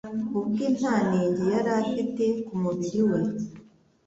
ubwe nta nenge yari afite ku mubiri we